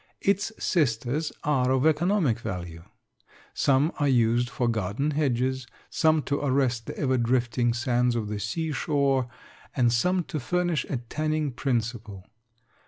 Its sisters are of economic value. Some are used for garden hedges, some to arrest the ever drifting sands of the seashore, and some to furnish a tanning principle.